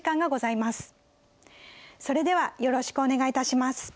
それではよろしくお願いいたします。